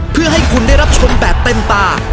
เพื่อให้คุณได้รับชมแบบเต็มตา